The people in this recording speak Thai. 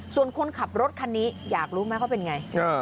ส่วนคนขับรถคันนี้อยากรู้ไหมเขาเป็นไง